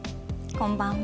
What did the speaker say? こんばんは。